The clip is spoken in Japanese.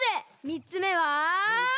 みっつめ。